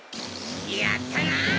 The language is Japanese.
やったな！